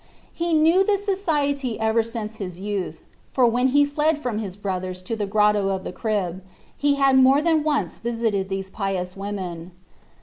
He knew this society ever since his youth ; for when he fled from his brothers to the Grotto of the Crib he had more than once visited these pious women.